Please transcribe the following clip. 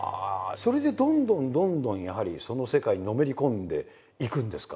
それでどんどんどんどんやはりその世界にのめり込んでいくんですか？